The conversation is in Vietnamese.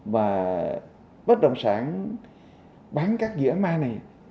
và bất động sản bán các dĩa ma này